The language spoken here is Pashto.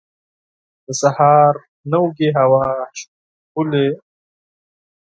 د سهار نوی هوا ښکلی وي.